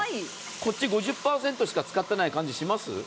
こっち５０％しか使ってない感じします？